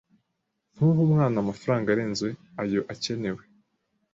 Ntuhe umwana amafaranga arenze ayo akenewe.